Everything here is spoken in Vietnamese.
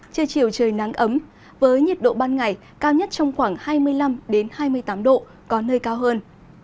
trưa chiều trời nắng ấm với nhiệt độ ban ngày cao nhất trong khoảng hai mươi năm hai mươi tám độ có nơi cao hơn